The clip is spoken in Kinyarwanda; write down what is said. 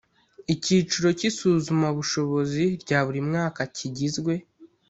icyiciro cy isuzamabushobozi rya buri mwaka kigizwe